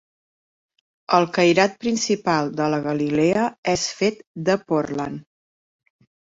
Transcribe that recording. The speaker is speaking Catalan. El cairat principal de la galilea és fet de pòrtland.